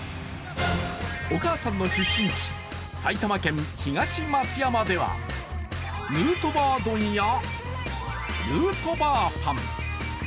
お母さんの出身地、埼玉県東松山ではヌートバー丼やヌートバーパン。